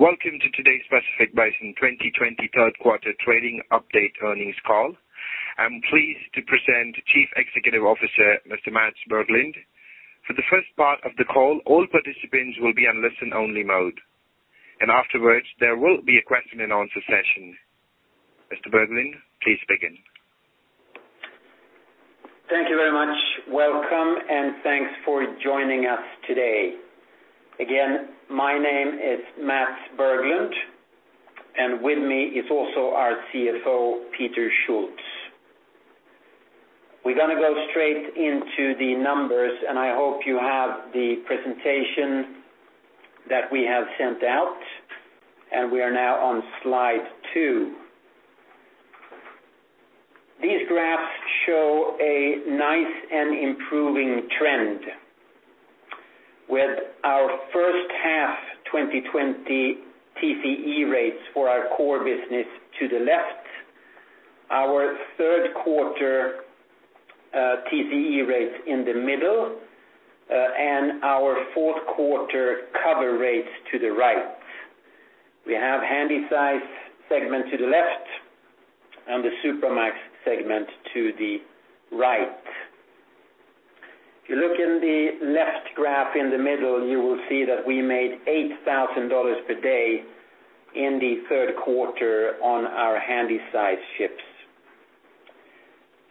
Welcome to today's Pacific Basin 2020 Third Quarter Trading Update Earnings Call. I'm pleased to present Chief Executive Officer, Mr. Mats Berglund. For the first part of the call, all participants will be on listen-only mode, and afterwards there will be a question and answer session. Mr. Berglund, please begin. Thank you very much. Welcome, and thanks for joining us today. Again, my name is Mats Berglund, and with me is also our CFO, Peter Schulz. We're going to go straight into the numbers, and I hope you have the presentation that we have sent out, and we are now on slide two. These graphs show a nice and improving trend with our first half 2020 TCE rates for our core business to the left, our third quarter TCE rates in the middle, and our fourth quarter cover rates to the right. We have Handysize segment to the left and the Supramax segment to the right. If you look in the left graph in the middle, you will see that we made $8,000 per day in the third quarter on our Handysize ships.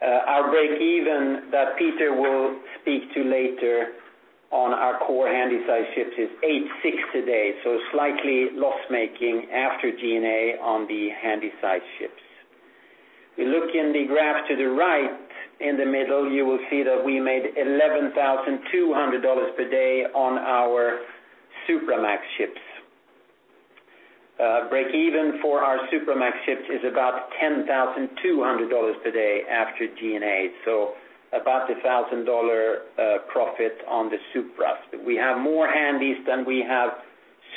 Our breakeven that Peter will speak to later on our core Handysize ships is $8,600 a day, so slightly loss-making after G&A on the Handysize ships. We look in the graph to the right, in the middle, you will see that we made $11,200 per day on our Supramax ships. Breakeven for our Supramax ships is about $10,200 today after G&A, so about a $1,000 profit on the Supras. We have more Handys than we have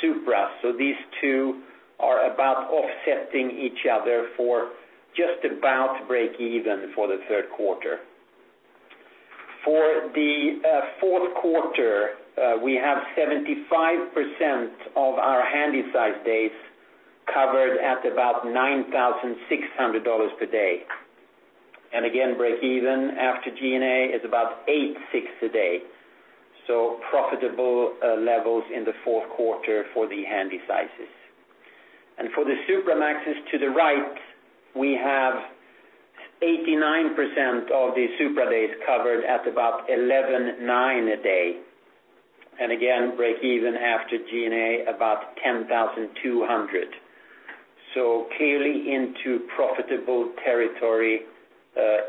Supras, so these two are about offsetting each other for just about breakeven for the third quarter. For the fourth quarter, we have 75% of our Handysize days covered at about $9,600 per day. Again, breakeven after G&A is about $8,600 a day. Profitable levels in the fourth quarter for the Handysizes. For the Supramaxes to the right, we have 89% of the Supra days covered at about $11,900 a day. Again, break even after G&A about $10,200. Clearly into profitable territory,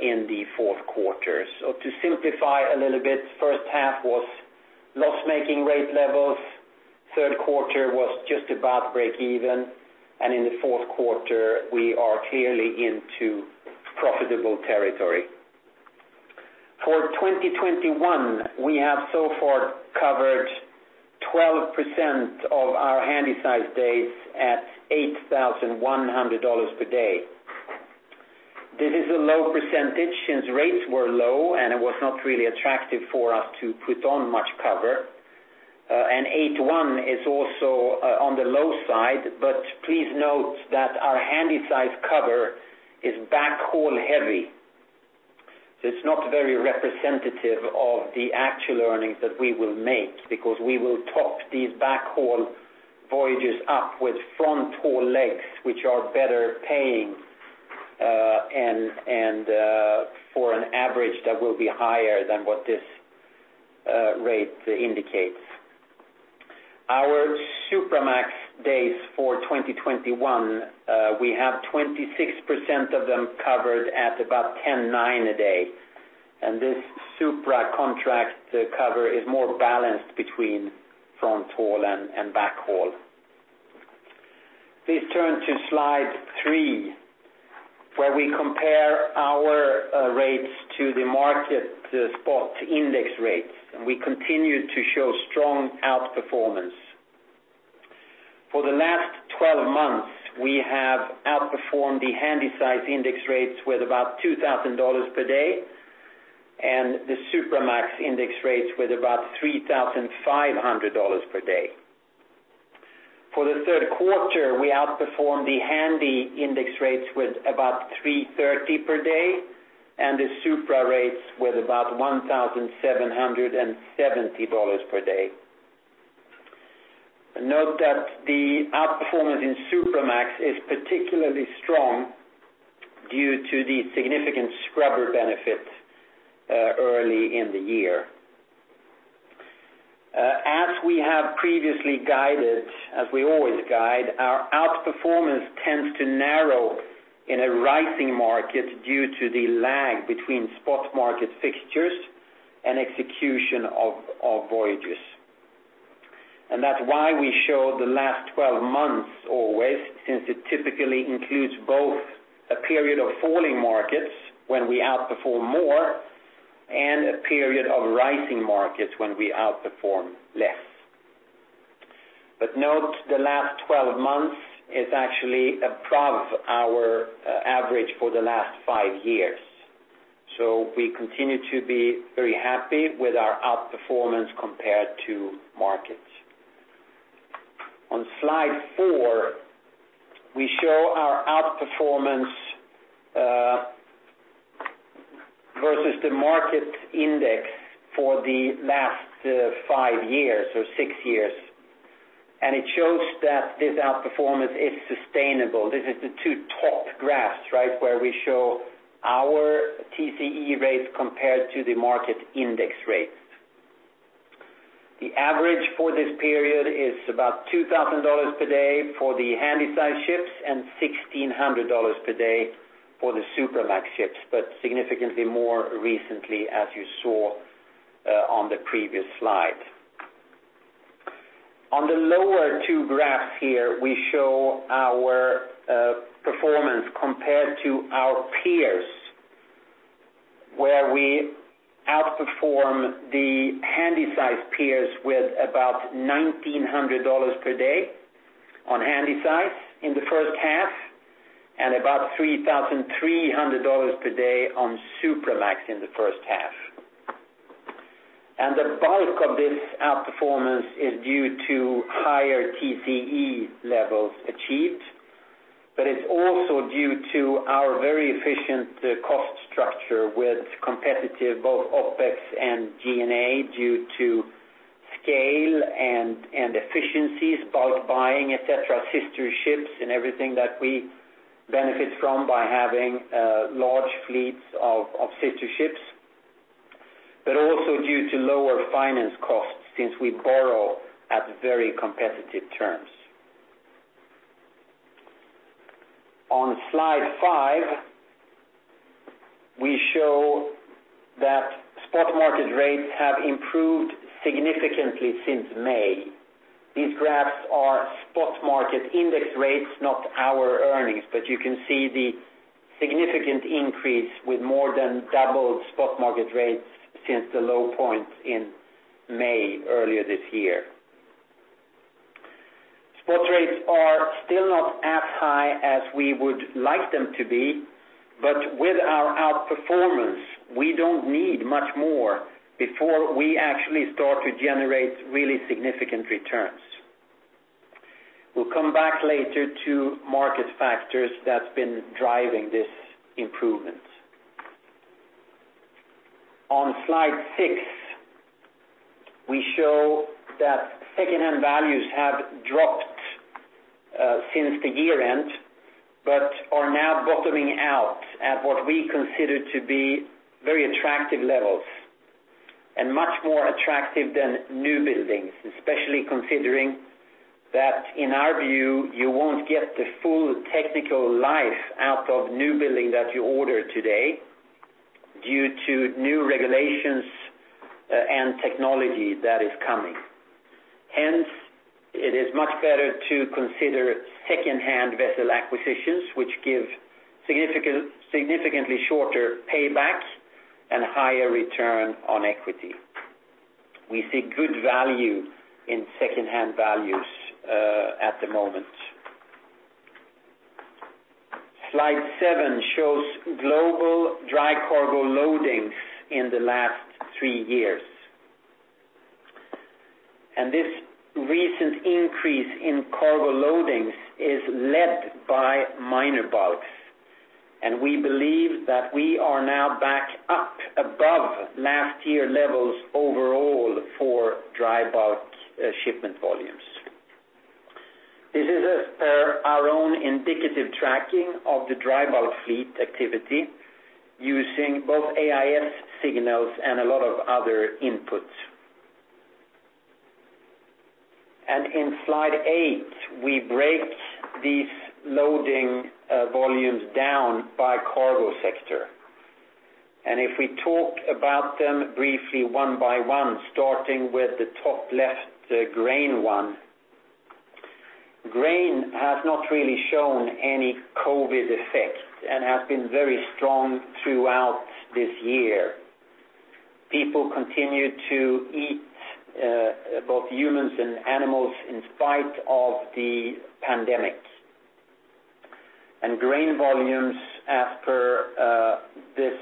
in the fourth quarter. To simplify a little bit, first half was loss-making rate levels, third quarter was just about breakeven, and in the fourth quarter, we are clearly into profitable territory. For 2021, we have so far covered 12% of our Handysize days at $8,100 per day. This is a low percentage since rates were low, and it was not really attractive for us to put on much cover. $8,100 is also on the low side, but please note that our Handysize cover is backhaul heavy. It's not very representative of the actual earnings that we will make because we will top these backhaul voyages up with front haul legs, which are better paying, and for an average that will be higher than what this rate indicates. Our Supramax days for 2021, we have 26% of them covered at about $10,900 a day. This Supra contract cover is more balanced between front haul and backhaul. Please turn to slide three, where we compare our rates to the market spot index rates, and we continue to show strong outperformance. For the last 12 months, we have outperformed the Handysize index rates with about $2,000 per day and the Supramax index rates with about $3,500 per day. For the third quarter, we outperformed the Handy index rates with about 330 per day and the Supra rates with about $1,770 per day. Note that the outperformance in Supramax is particularly strong due to the significant scrubber benefit early in the year. As we have previously guided, as we always guide, our outperformance tends to narrow in a rising market due to the lag between spot market fixtures and execution of voyages. That's why we show the last 12 months always, since it typically includes both a period of falling markets when we outperform more and a period of rising markets when we outperform less. Note the last 12 months is actually above our average for the last five years. We continue to be very happy with our outperformance compared to markets. On slide four, we show our outperformance versus the market index for the last five years, six years, and it shows that this outperformance is sustainable. This is the two top graphs where we show our TCE rates compared to the market index rates. The average for this period is about $2,000 per day for the Handysize ships and $1,600 per day for the Supramax ships, but significantly more recently, as you saw on the previous slide. On the lower two graphs here, we show our performance compared to our peers, where we outperform the Handysize peers with about $1,900 per day on Handysize in the first half, and about $3,300 per day on Supramax in the first half. The bulk of this outperformance is due to higher TCE levels achieved, but it's also due to our very efficient cost structure with competitive both OpEx and G&A due to scale and efficiencies, bulk buying, et cetera, sister ships and everything that we benefit from by having large fleets of sister ships, but also due to lower finance costs since we borrow at very competitive terms. On slide five, we show that spot market rates have improved significantly since May. These graphs are spot market index rates, not our earnings, but you can see the significant increase with more than doubled spot market rates since the low point in May, earlier this year. Spot rates are still not as high as we would like them to be, but with our outperformance, we don't need much more before we actually start to generate really significant returns. We'll come back later to market factors that's been driving this improvement. On slide six, we show that secondhand values have dropped since the year-end, but are now bottoming out at what we consider to be very attractive levels, and much more attractive than newbuildings, especially considering that in our view, you won't get the full technical life out of newbuilding that you order today due to new regulations and technology that is coming. Hence, it is much better to consider secondhand vessel acquisitions, which give significantly shorter payback and higher return on equity. We see good value in secondhand values at the moment. Slide seven shows global dry cargo loadings in the last three years. This recent increase in cargo loadings is led by minor bulks, and we believe that we are now back up above last year levels overall for dry bulk shipment volumes. This is as per our own indicative tracking of the dry bulk fleet activity using both AIS signals and a lot of other inputs. In slide eight, we break these loading volumes down by cargo sector. If we talk about them briefly one by one, starting with the top left, the grain one. Grain has not really shown any COVID-19 effect and has been very strong throughout this year. People continue to eat, both humans and animals, in spite of the pandemic. Grain volumes, as per this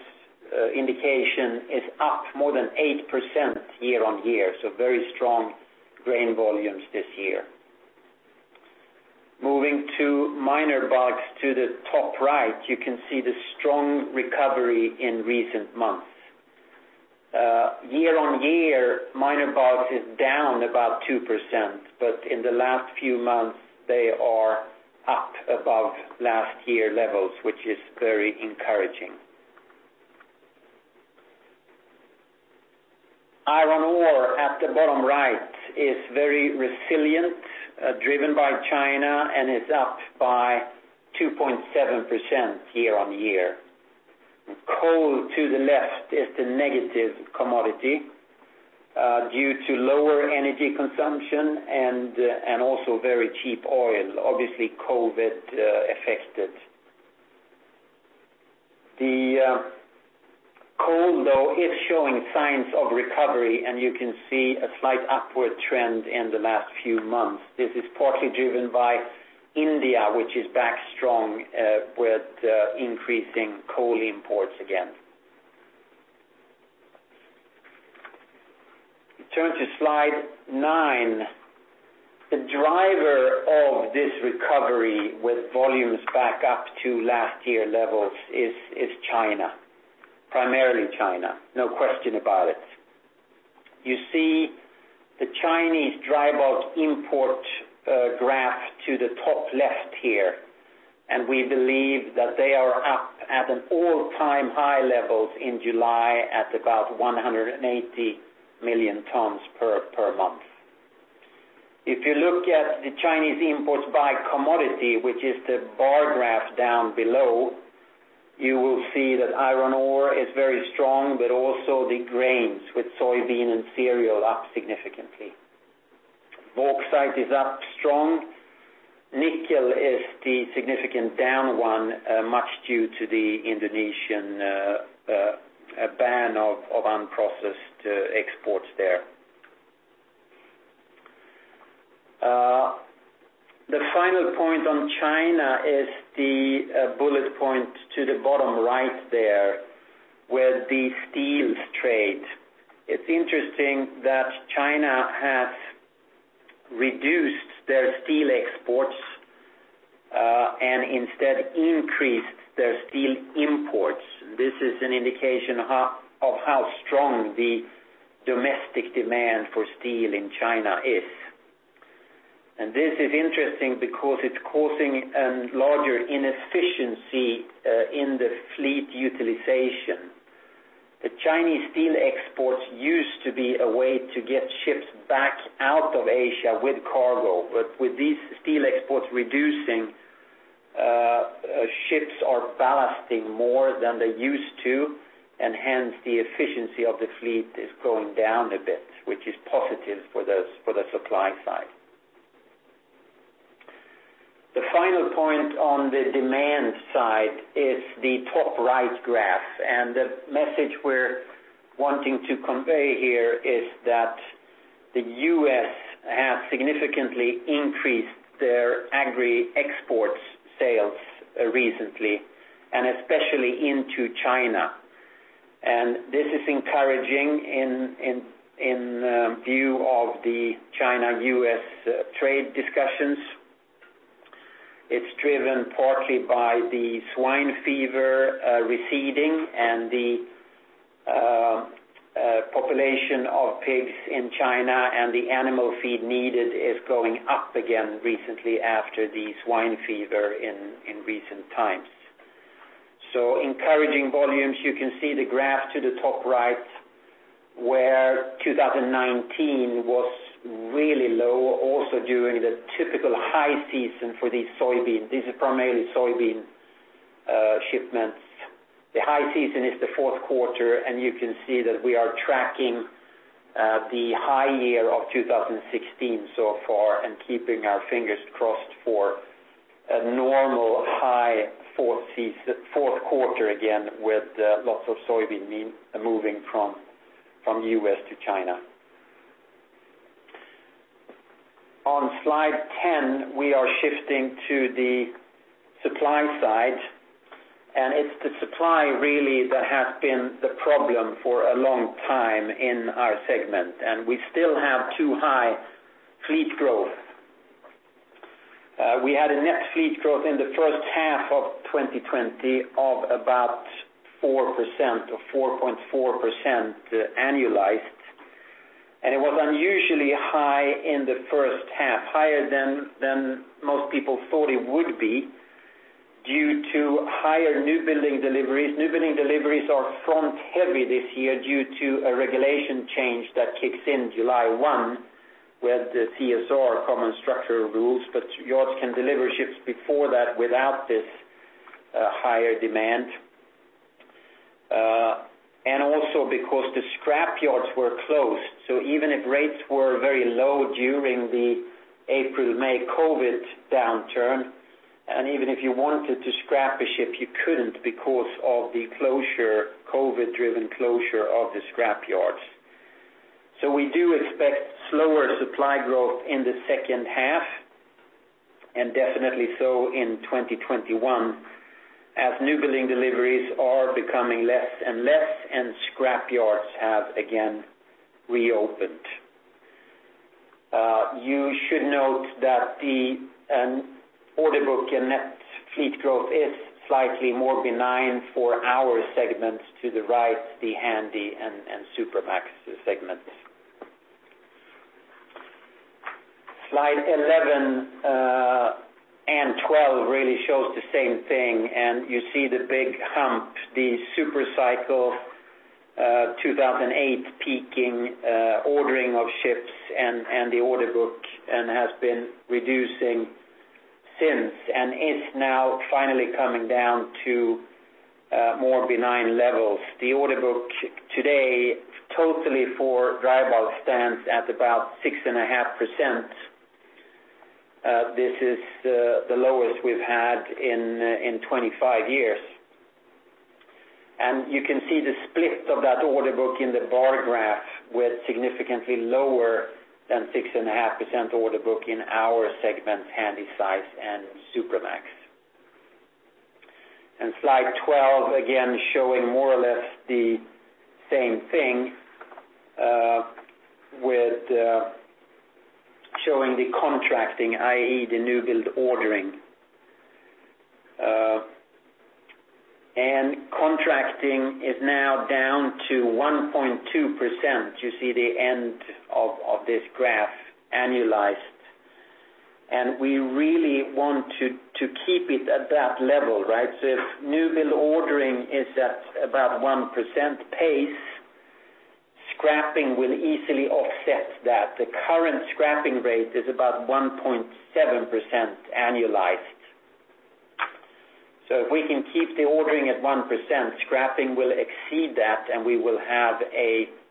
indication, is up more than 8% year-on-year. Very strong grain volumes this year. Moving to minor bulks to the top right, you can see the strong recovery in recent months. Year-on-year, minor bulk is down about 2%, but in the last few months, they are up above last year levels, which is very encouraging. Iron ore at the bottom right is very resilient, driven by China, and is up by 2.7% year-on-year. Coal to the left is the negative commodity due to lower energy consumption and also very cheap oil. Obviously, COVID affected. The coal, though, is showing signs of recovery, and you can see a slight upward trend in the last few months. This is partly driven by India, which is back strong with increasing coal imports again. Turn to slide nine. The driver of this recovery with volumes back up to last year levels is China, primarily China, no question about it. You see the Chinese dry bulk import graph to the top left here, and we believe that they are up at an all-time high level in July at about 180 million tons per month. If you look at the Chinese imports by commodity, which is the bar graph down below, you will see that iron ore is very strong, but also the grains with soybean and cereal up significantly. Bauxite is up strong. Nickel is the significant down one, much due to the Indonesian ban of unprocessed exports there. The final point on China is the bullet point to the bottom right there, with the steels trade. It's interesting that China has reduced their steel exports, and instead increased their steel imports. This is an indication of how strong the domestic demand for steel in China is. This is interesting because it's causing a larger inefficiency in the fleet utilization. The Chinese steel exports used to be a way to get ships back out of Asia with cargo. With these steel exports reducing, ships are ballasting more than they used to, and hence the efficiency of the fleet is going down a bit, which is positive for the supply side. The final point on the demand side is the top right graph, and the message we're wanting to convey here is that the U.S. has significantly increased their agri exports sales recently, and especially into China. This is encouraging in view of the China-U.S. trade discussions. It's driven partly by the swine fever receding and the population of pigs in China, and the animal feed needed is going up again recently after the swine fever in recent times. Encouraging volumes. You can see the graph to the top right, where 2019 was really low, also during the typical high season for these soybeans. These are primarily soybean shipments. The high season is the fourth quarter, and you can see that we are tracking the high year of 2016 so far and keeping our fingers crossed for a normal high fourth quarter again with lots of soybean moving from U.S. to China. On slide 10, we are shifting to the supply side, and it's the supply really that has been the problem for a long time in our segment, and we still have too high fleet growth. We had a net fleet growth in the first half of 2020 of about 4% or 4.4% annualized, and it was unusually high in the first half, higher than most people thought it would be due to higher newbuilding deliveries. Newbuilding deliveries are front-heavy this year due to a regulation change that kicks in July 1 with the CSR, Common Structural Rules, yards can deliver ships before that without this higher demand. Also because the scrapyards were closed, even if rates were very low during the April, May COVID downturn, and even if you wanted to scrap a ship, you couldn't because of the COVID-driven closure of the scrapyards. We do expect slower supply growth in the second half, and definitely so in 2021, as newbuilding deliveries are becoming less and less and scrapyards have again reopened. You should note that the order book and net fleet growth is slightly more benign for our segments to the right, the Handy and Supramax segments. Slide 11 and 12 really shows the same thing. You see the big hump, the super cycle 2008 peaking ordering of ships and the order book, has been reducing since, is now finally coming down to more benign levels. The order book today, totally for dry bulk, stands at about 6.5%. This is the lowest we've had in 25 years. You can see the split of that order book in the bar graph with significantly lower than 6.5% order book in our segment, Handysize and Supramax. Slide 12, again, showing more or less the same thing, with showing the contracting, i.e., the newbuild ordering. Contracting is now down to 1.2%, you see the end of this graph annualized. We really want to keep it at that level, right? If newbuild ordering is at about 1% pace, scrapping will easily offset that. The current scrapping rate is about 1.7% annualized. If we can keep the ordering at 1%, scrapping will exceed that, and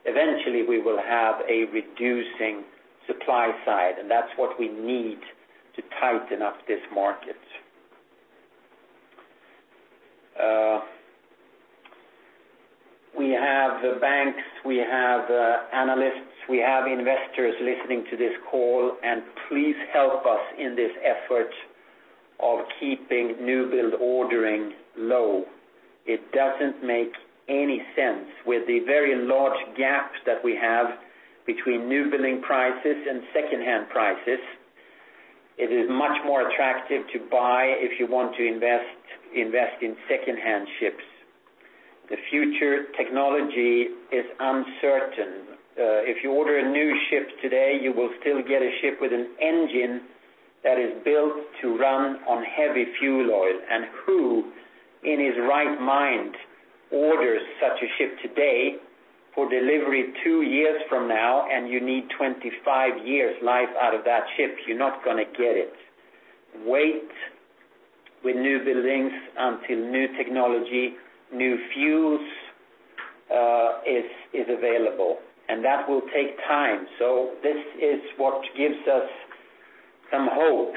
eventually, we will have a reducing supply side, and that's what we need to tighten up this market. We have the banks, we have analysts, we have investors listening to this call. Please help us in this effort of keeping newbuild ordering low. It doesn't make any sense with the very large gap that we have between newbuilding prices and secondhand prices. It is much more attractive to buy if you want to invest in secondhand ships. The future technology is uncertain. If you order a new ship today, you will still get a ship with an engine that is built to run on heavy fuel oil. Who in his right mind, orders such a ship today for delivery two years from now, and you need 25 years' life out of that ship. You're not going to get it. Wait with newbuildings until new technology, new fuels is available, and that will take time. This is what gives us some hope,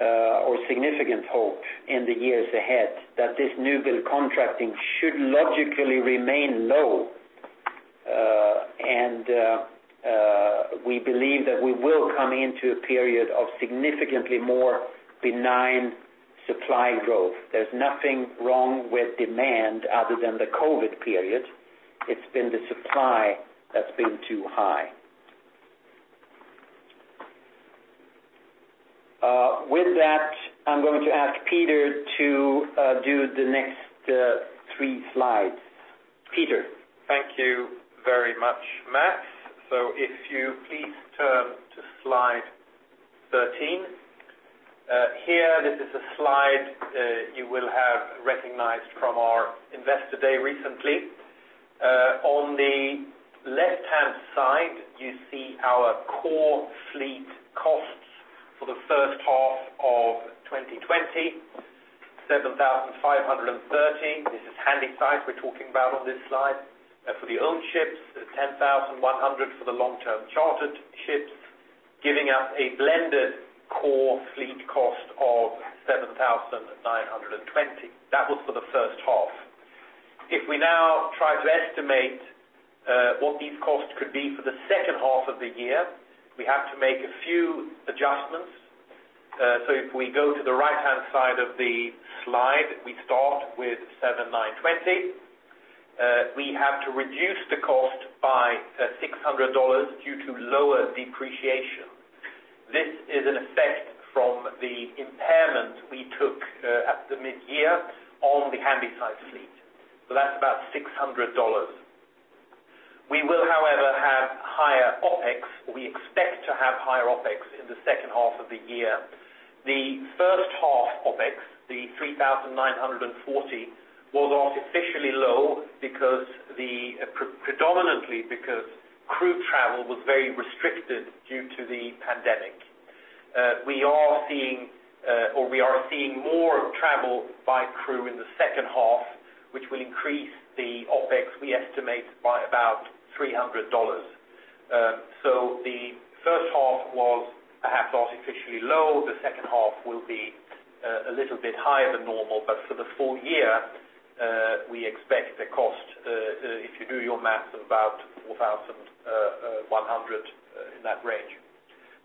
or significant hope in the years ahead, that this newbuild contracting should logically remain low. We believe that we will come into a period of significantly more benign supply growth. There's nothing wrong with demand other than the COVID period. It's been the supply that's been too high. With that, I'm going to ask Peter to do the next three slides. Peter. Thank you very much, Mats. If you please turn to slide 13. Here, this is a slide you will have recognized from our investor day recently. On the left-hand side, you see our core fleet costs for the first half of 2020, $7,530. This is Handysize we're talking about on this slide. For the owned ships, $10,100 for the long-term chartered ships, giving us a blended core fleet cost of $7,920. That was for the first half. If we now try to estimate what these costs could be for the second half of the year, we have to make a few adjustments. If we go to the right-hand side of the slide, we start with $7,920. We have to reduce the cost by $600 due to lower depreciation. This is an effect from the impairment we took at the mid-year on the Handysize fleet. That's about $600. We will, however, have higher OpEx. We expect to have higher OpEx in the second half of the year. The first half OpEx, the $3,940, was artificially low predominantly because crew travel was very restricted due to the pandemic. We are seeing more travel by crew in the second half, which will increase the OpEx, we estimate, by about $300. The first half was perhaps artificially low. The second half will be a little bit higher than normal, but for the full year, we expect the cost, if you do your math, about $4,100, in that range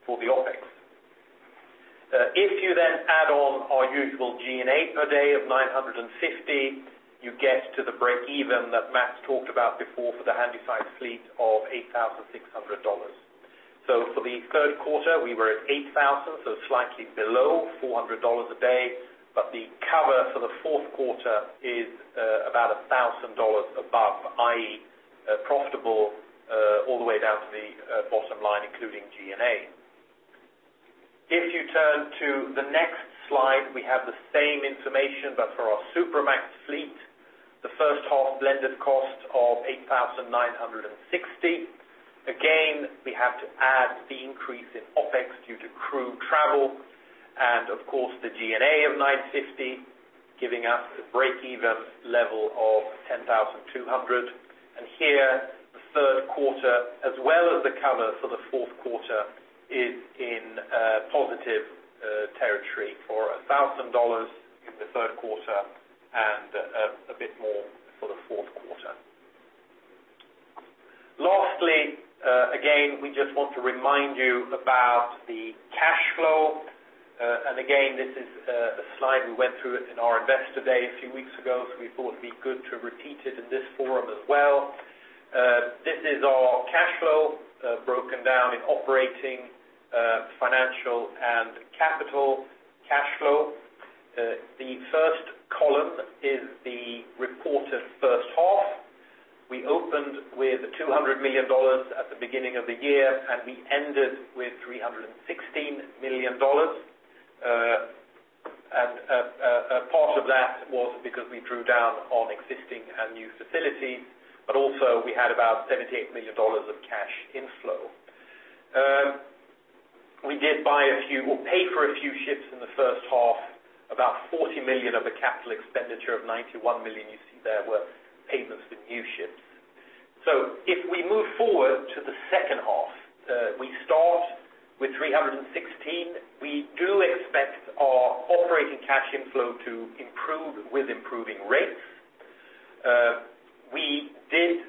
for the OpEx. If you then add on our usual G&A per day of $950, you get to the break even that Mats talked about before for the Handysize fleet of $8,600. For the third quarter, we were at $8,000, so slightly below $400 a day, but the cover for the fourth quarter is about $1,000 above, i.e., profitable all the way down to the bottom line, including G&A. If you turn to the next slide, we have the same information, but for our Supramax fleet. The first half blended cost of $8,960. Again, we have to add the increase in OpEx due to crew travel, and of course, the G&A of $950, giving us a break-even level of $10,200. Here, the third quarter, as well as the cover for the fourth quarter, is in positive territory for $1,000 in the third quarter and, we just want to remind you about the cash flow. Again, this is a slide we went through in our investor day a few weeks ago, so we thought it'd be good to repeat it in this forum as well. This is our cash flow, broken down in operating, financial, and capital cash flow. The first column is the reported first half. We opened with $200 million at the beginning of the year, and we ended with $316 million. A part of that was because we drew down on existing and new facilities, but also we had about $78 million of cash inflow. We did pay for a few ships in the first half, about $40 million of the capital expenditure of $91 million you see there were payments for new ships. If we move forward to the second half, we start with $316 million. We do expect our operating cash inflow to improve with improving rates. We did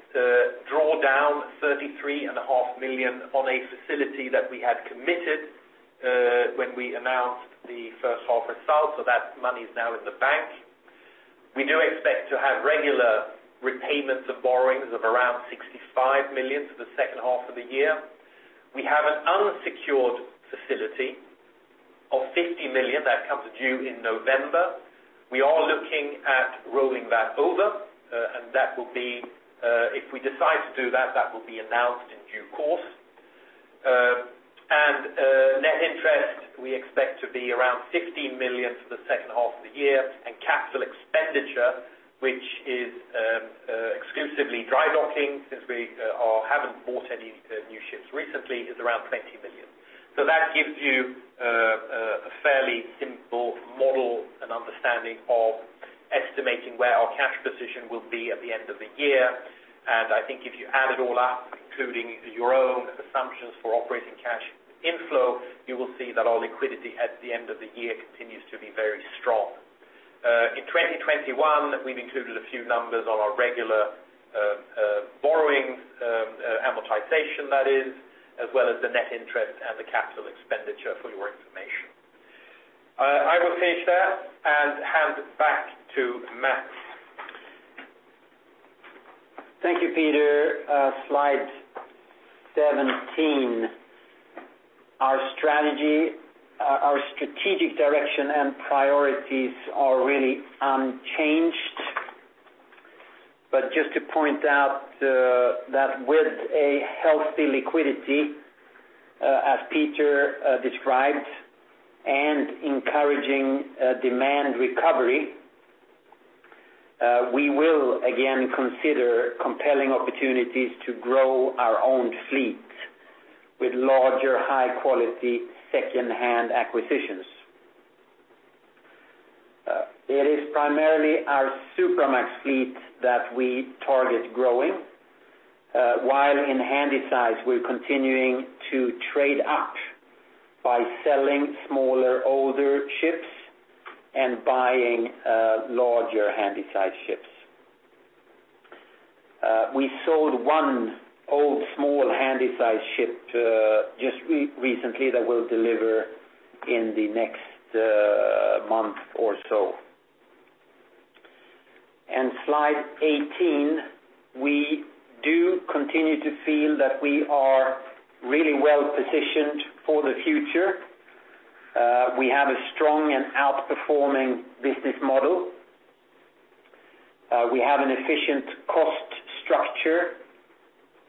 draw down $33.5 million on a facility that we had committed, when we announced the first half results, so that money's now in the bank. We do expect to have regular repayments of borrowings of around $65 million for the second half of the year. We have an unsecured facility of $50 million that comes due in November. We are looking at rolling that over, and if we decide to do that will be announced in due course. Net interest, we expect to be around $15 million for the second half of the year. Capital expenditure, which is exclusively dry docking, since we haven't bought any new ships recently, is around $20 million. That gives you a fairly simple model and understanding of estimating where our cash position will be at the end of the year. I think if you add it all up, including your own assumptions for operating cash inflow, you will see that our liquidity at the end of the year continues to be very strong. In 2021, we've included a few numbers on our regular borrowing, amortization, that is, as well as the net interest and the capital expenditure for your information. I will finish that and hand it back to Mats. Thank you, Peter. Slide 17. Our strategic direction and priorities are really unchanged. Just to point out, that with a healthy liquidity, as Peter described, and encouraging demand recovery, we will again consider compelling opportunities to grow our own fleet with larger, high-quality, secondhand acquisitions. It is primarily our Supramax fleet that we target growing, while in Handysize, we're continuing to trade up by selling smaller, older ships and buying larger Handysize ships. We sold one old, small Handysize ship just recently that we'll deliver in the next month or so. Slide 18. We do continue to feel that we are really well-positioned for the future. We have a strong and outperforming business model. We have an efficient cost structure.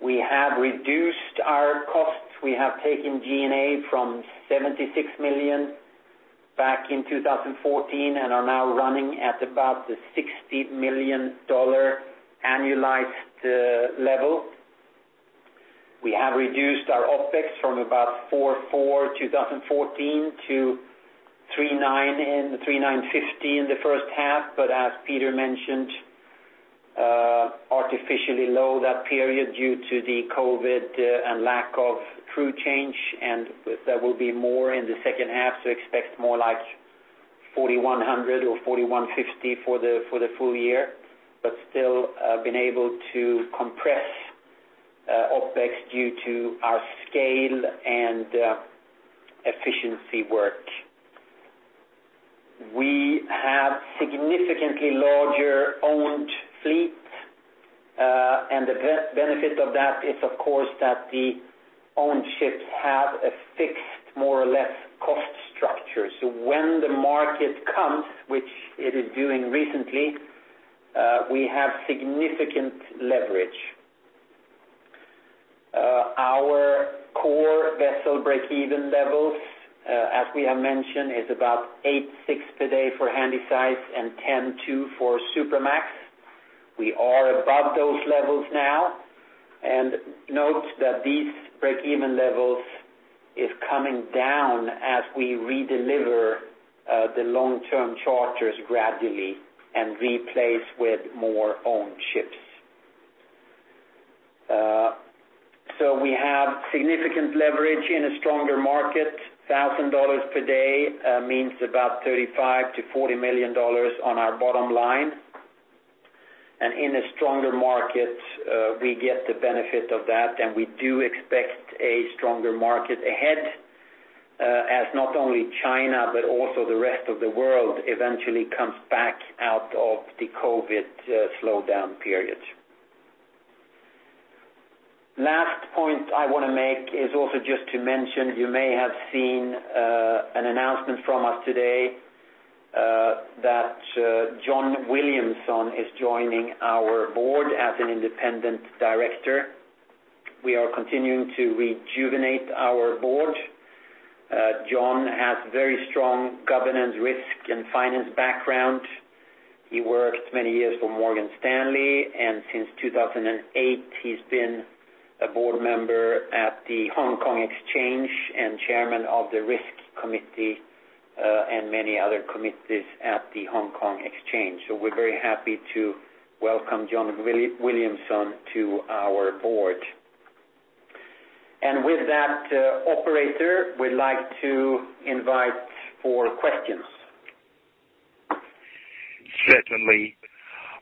We have reduced our costs. We have taken G&A from $76 million back in 2014 and are now running at about the $60 million annualized level. We have reduced our OpEx from about $44 million, 2014 to $39 million and $39.50 million in the first half, but as Peter mentioned, artificially low that period due to the COVID, and lack of crew change, and there will be more in the second half, so expect more like $4,100 or $4,150 for the full year. Still, have been able to compress OpEx due to our scale and efficiency work. We have significantly larger owned fleet. The benefit of that is, of course, that the owned ships have a fixed, more or less, cost structure. When the market comes, which it is doing recently, we have significant leverage. Our core vessel breakeven levels, as we have mentioned, is about $8,600 per day for Handysize and $10,200 for Supramax. We are above those levels now. Note that these breakeven levels is coming down as we redeliver the long-term charters gradually and replace with more owned ships. We have significant leverage in a stronger market. $1,000 per day means about $35 million-$40 million on our bottom line. In a stronger market, we get the benefit of that, and we do expect a stronger market ahead, as not only China, but also the rest of the world eventually comes back out of the COVID slowdown period. Last point I want to make is also just to mention, you may have seen an announcement from us today, that John Williamson is joining our board as an independent director. We are continuing to rejuvenate our board. John has very strong governance risk and finance background. He worked many years for Morgan Stanley, and since 2008, he's been a board member at the Hong Kong Exchange and chairman of the Risk Committee, and many other committees at the Hong Kong Exchange. We're very happy to welcome John Williamson to our board. With that, operator, we'd like to invite for questions. Certainly.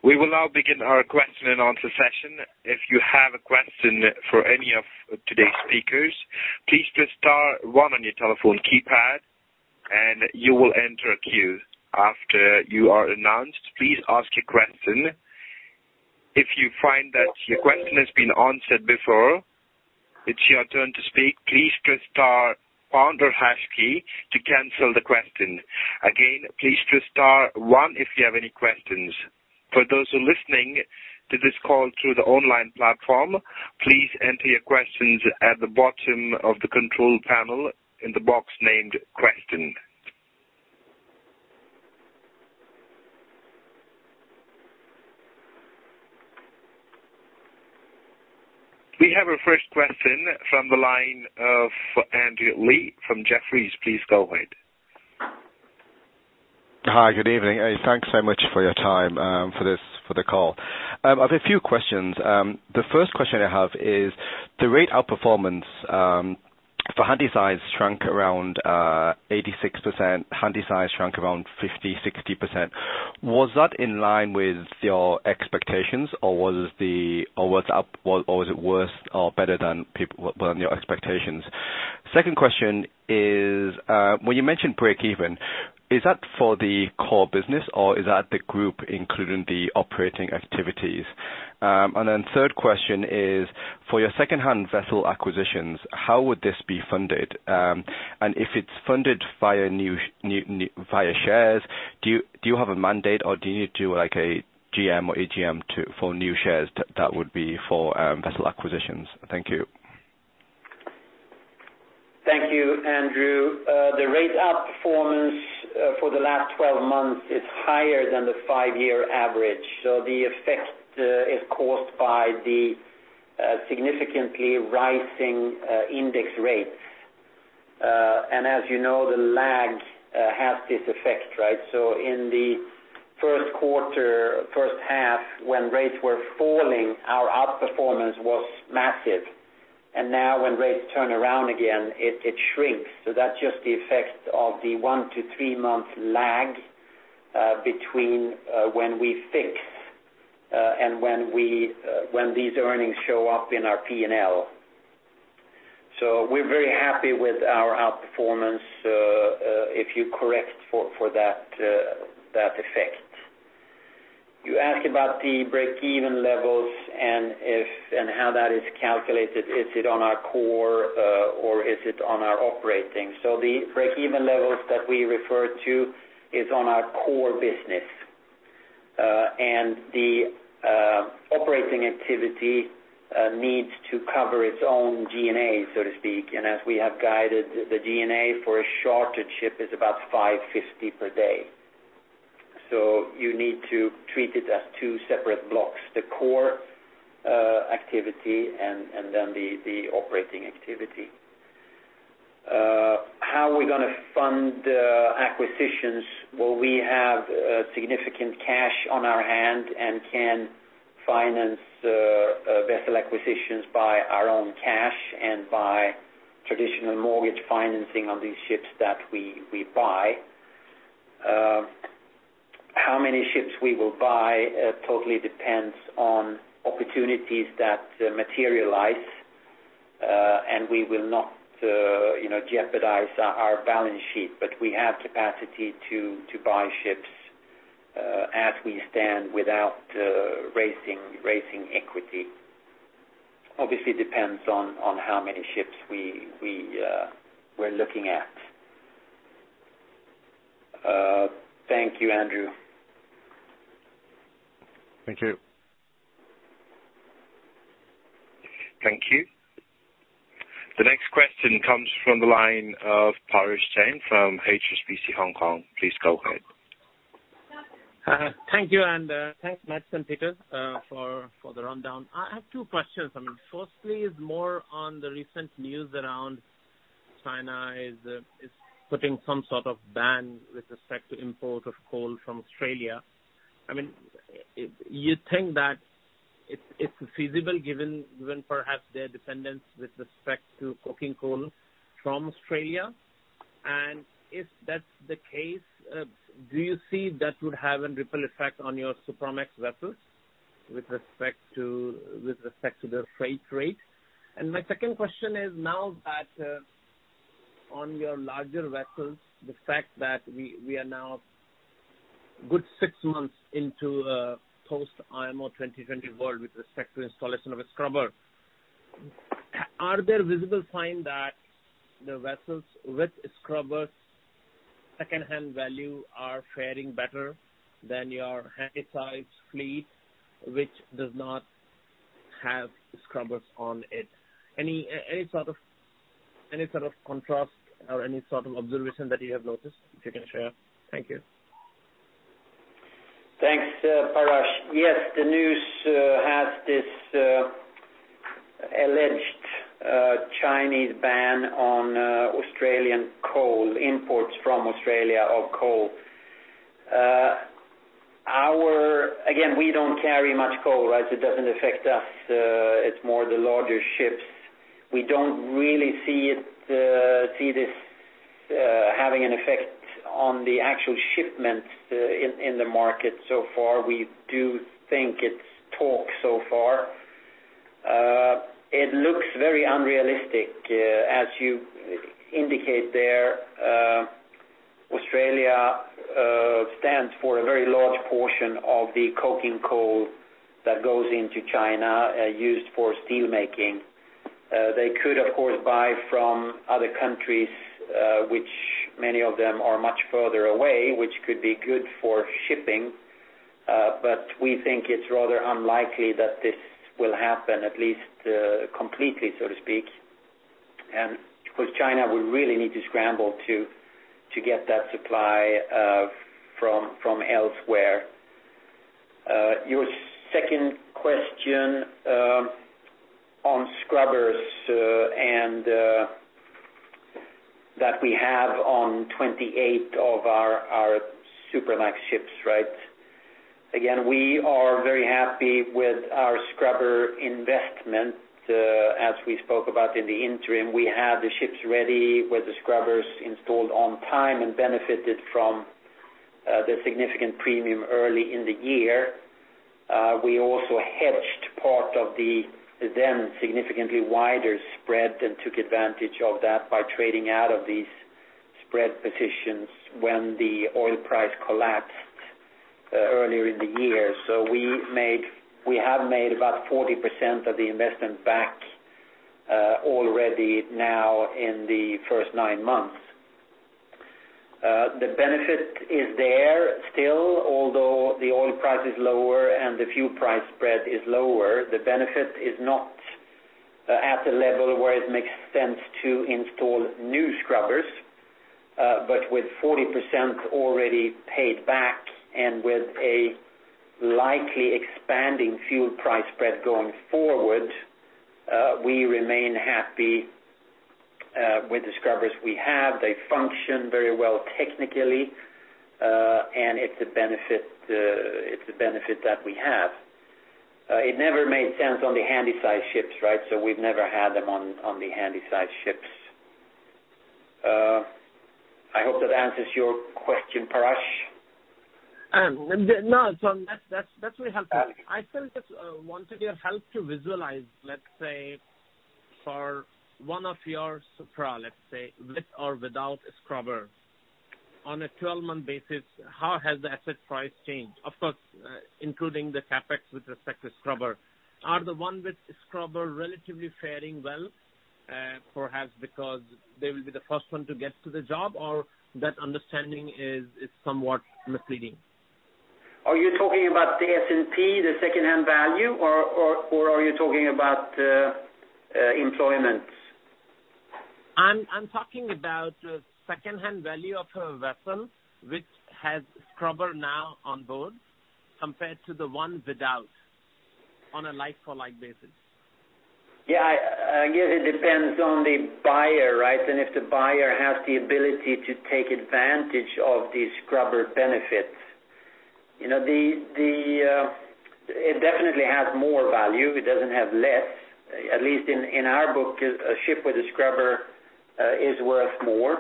We will now begin our question and answer session. If you have a question for any of today's speakers, please press star one on your telephone keypad, and you will enter a queue. After you are announced, please ask your question. If you find that your question has been answered before it's your turn to speak, please press star pound or hash key to cancel the question. Again, please press star one if you have any questions. For those who are listening to this call through the online platform, please enter your questions at the bottom of the control panel in the box named Question. We have our first question from the line of Andrew Lee from Jefferies. Please go ahead. Hi. Good evening, and thanks so much for your time, for the call. I have a few questions. The first question I have is, the rate outperformance, for Handysize shrunk around 86%, Handysize shrunk around 50%, 60%. Was that in line with your expectations, or was it worse or better than your expectations? Second question is, when you mentioned breakeven, is that for the core business or is that the group, including the operating activities? Third question is, for your secondhand vessel acquisitions, how would this be funded? If it's funded via shares, do you have a mandate, or do you need to, like a GM or AGM, for new shares that would be for vessel acquisitions? Thank you. Thank you, Andrew. The rate outperformance, for the last 12 months is higher than the five-year average. The effect is caused by the significantly rising index rates. As you know, the lag has this effect, right? In the first half, when rates were falling, our outperformance was massive. Now when rates turn around again, it shrinks. That's just the effect of the one to three-month lag, between when we fix, and when these earnings show up in our P&L. We're very happy with our outperformance, if you correct for that effect. You ask about the breakeven levels and how that is calculated. Is it on our core, or is it on our operating? The breakeven levels that we refer to is on our core business. The operating activity needs to cover its own G&A, so to speak. As we have guided, the G&A for a chartered ship is about $550 per day. You need to treat it as two separate blocks, the core activity and then the operating activity. How are we gonna fund acquisitions? Well, we have significant cash on our hand and can finance vessel acquisitions by our own cash and by traditional mortgage financing on these ships that we buy. How many ships we will buy totally depends on opportunities that materialize, and we will not jeopardize our balance sheet, but we have capacity to buy ships, as we stand without raising equity. Obviously, depends on how many ships we're looking at. Thank you, Andrew. Thank you. Thank you. The next question comes from the line of Parash Jain from HSBC Hong Kong. Please go ahead. Thank you, and thanks, Mats and Peter, for the rundown. I have two questions. Firstly is more on the recent news around China is putting some sort of ban with respect to import of coal from Australia. You think that it's feasible given perhaps their dependence with respect to coking coal from Australia, and if that's the case, do you see that would have a ripple effect on your Supramax vessels with respect to the freight rate? My second question is now that, on your larger vessels, the fact that we are now a good six months into a post IMO 2020 world with respect to installation of a scrubber, are there visible signs that the vessels with scrubbers secondhand value are faring better than your Handysize fleet, which does not have scrubbers on it? Any sort of contrast or any sort of observation that you have noticed, if you can share? Thank you. Thanks, Parash. Yes, the news has this alleged Chinese ban on Australian coal imports from Australia of coal. Again, we don't carry much coal, so it doesn't affect us. It's more the larger ships. We don't really see this having an effect on the actual shipments in the market so far. We do think it's talk so far. It looks very unrealistic, as you indicate there. Australia stands for a very large portion of the coking coal that goes into China, used for steel making. They could, of course, buy from other countries, which many of them are much further away, which could be good for shipping. We think it's rather unlikely that this will happen, at least completely, so to speak, because China would really need to scramble to get that supply from elsewhere. Your second question on scrubbers, and that we have on 28 of our Supramax ships. Again, we are very happy with our scrubber investment. As we spoke about in the interim, we had the ships ready with the scrubbers installed on time and benefited from the significant premium early in the year. We also hedged part of the then significantly wider spread and took advantage of that by trading out of these spread positions when the oil price collapsed earlier in the year. We have made about 40% of the investment back already now in the first nine months. The benefit is there still, although the oil price is lower and the fuel price spread is lower, the benefit is not at the level where it makes sense to install new scrubbers. With 40% already paid back and with a likely expanding fuel price spread going forward, we remain happy with the scrubbers we have. They function very well technically, and it's a benefit that we have. It never made sense on the Handysize ships, so we've never had them on the Handysize ships. I hope that answers your question, Parash. No, that's really helpful. I still just wanted your help to visualize, let's say for one of your Supra, let's say, with or without a scrubber, on a 12-month basis, how has the asset price changed? Of course, including the CapEx with respect to scrubber. Are the ones with scrubber relatively faring well, perhaps because they will be the first one to get to the job, or that understanding is somewhat misleading? Are you talking about the S&P, the secondhand value, or are you talking about employment? I'm talking about secondhand value of a vessel which has scrubber now on board compared to the one without, on a like-for-like basis. Yeah, I guess it depends on the buyer, and if the buyer has the ability to take advantage of the scrubber benefits. It definitely has more value. It doesn't have less, at least in our book, a ship with a scrubber is worth more.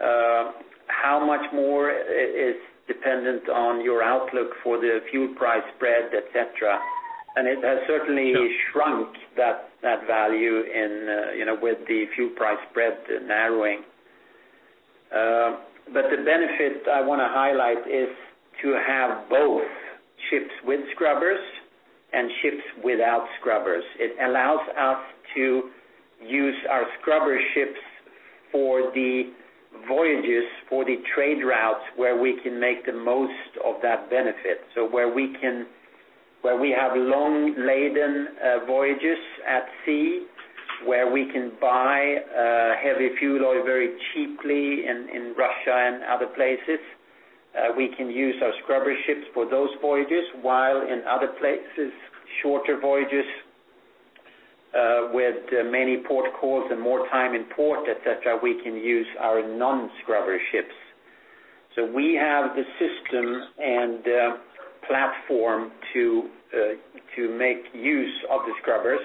How much more is dependent on your outlook for the fuel price spread, et cetera. It has certainly shrunk that value with the fuel price spread narrowing. The benefit I want to highlight is to have both ships with scrubbers and ships without scrubbers. It allows us to use our scrubber ships for the voyages, for the trade routes, where we can make the most of that benefit. Where we have long-laden voyages at sea, where we can buy heavy fuel oil very cheaply in Russia and other places, we can use our scrubber ships for those voyages, while in other places, shorter voyages that many port calls and more time in port, et cetera, we can use our non-scrubber ships. we have the system and platform to make use of the scrubbers,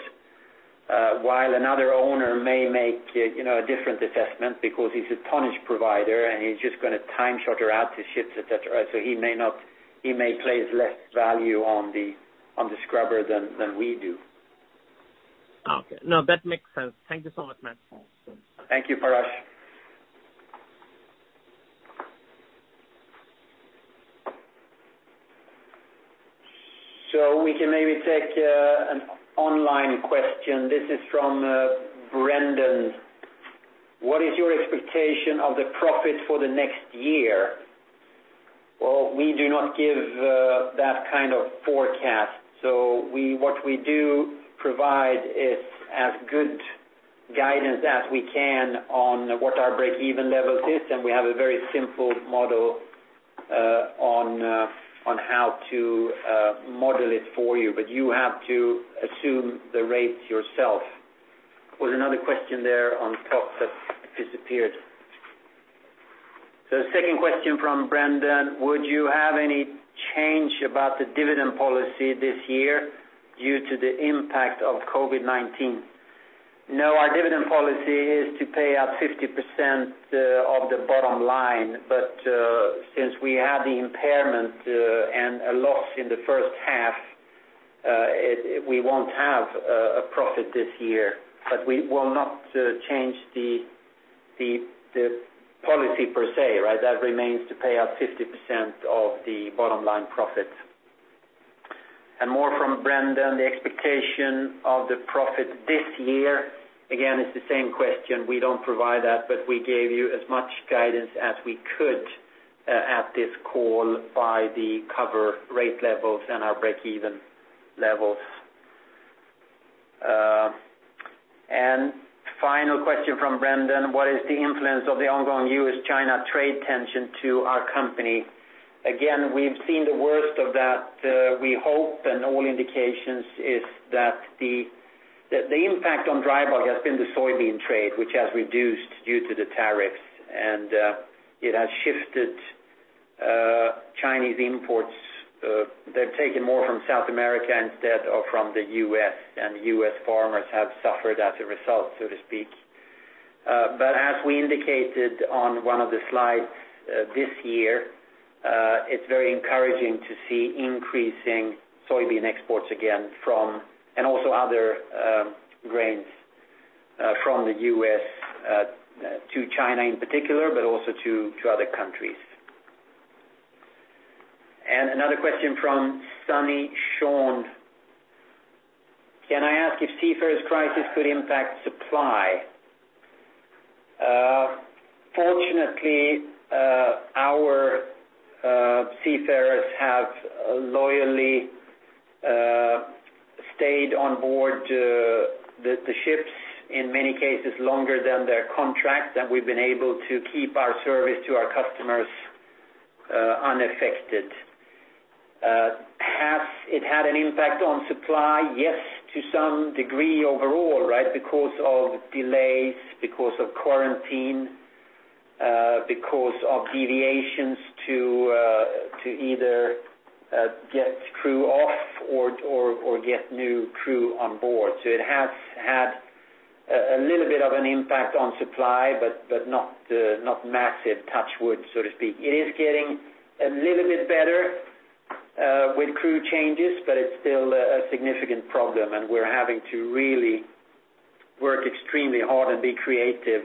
while another owner may make a different assessment because he's a tonnage provider and he's just going to time charter out his ships, et cetera. he may place less value on the scrubber than we do. Okay. No, that makes sense. Thank you so much, Mats. Thank you, Parash. We can maybe take an online question. This is from Brendan: What is your expectation of the profit for the next year? Well, we do not give that kind of forecast. What we do provide is as good guidance as we can on what our breakeven levels is, and we have a very simple model on how to model it for you. You have to assume the rates yourself. Was another question there on top that disappeared. Second question from Brendan: Would you have any change about the dividend policy this year due to the impact of COVID-19? No, our dividend policy is to pay out 50% of the bottom line, but since we had the impairment and a loss in the first half, we won't have a profit this year, but we will not change the policy per se. That remains to pay out 50% of the bottom line profit. More from Brendan, the expectation of the profit this year. Again, it's the same question. We don't provide that, but we gave you as much guidance as we could at this call by the cover rate levels and our breakeven levels. Final question from Brendan: What is the influence of the ongoing U.S.-China trade tension to our company? Again, we've seen the worst of that, we hope, and all indications is that the impact on dry bulk has been the soybean trade, which has reduced due to the tariffs, and it has shifted Chinese imports. They've taken more from South America instead of from the U.S., and U.S. farmers have suffered as a result, so to speak. As we indicated on one of the slides, this year, it's very encouraging to see increasing soybean exports again, and also other grains from the U.S. to China in particular, but also to other countries. Another question from Sunny Shawn: Can I ask if seafarers crisis could impact supply? Fortunately, our seafarers have loyally stayed on board the ships, in many cases longer than their contract, and we've been able to keep our service to our customers unaffected. Has it had an impact on supply? Yes, to some degree overall. Because of delays, because of quarantine, because of deviations to either get crew off or get new crew on board. It has had a little bit of an impact on supply, but not massive touch wood, so to speak. It is getting a little bit better with crew changes, but it's still a significant problem, and we're having to really work extremely hard and be creative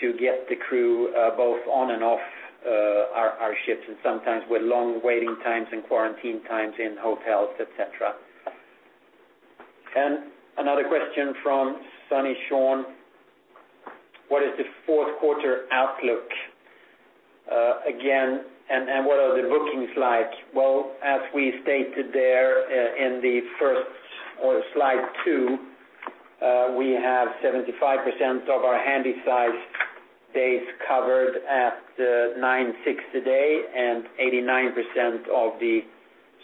to get the crew both on and off our ships, and sometimes with long waiting times and quarantine times in hotels, et cetera. Another question from Sunny Shawn: What is the fourth quarter outlook again, and what are the bookings like? Well, as we stated there in the first or slide two, we have 75% of our Handysize days covered at $9,600 today and 89% of the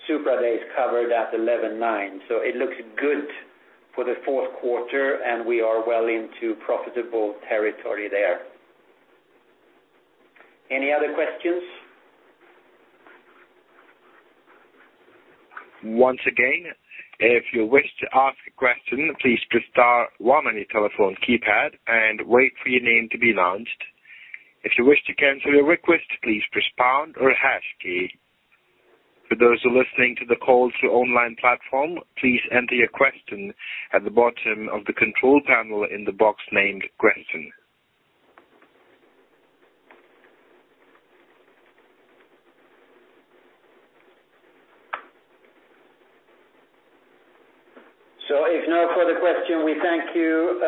Supra days covered at $11,900. It looks good for the fourth quarter, and we are well into profitable territory there. Any other questions? Once again, if you wish to ask a question, please press star one on your telephone keypad and wait for your name to be announced. If you wish to cancel your request, please press pound or hash key. For those who are listening to the call through online platform, please enter your question at the bottom of the control panel in the box named Question. If no further question, we thank you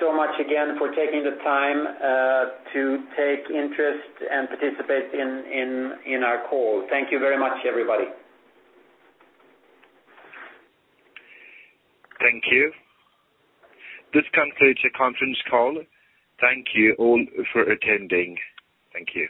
so much again for taking the time to take interest and participate in our call. Thank you very much, everybody. Thank you. This concludes the conference call. Thank you all for attending. Thank you.